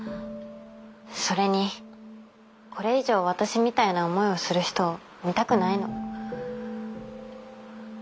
それにこれ以上私みたいな思いをする人を見たくないの。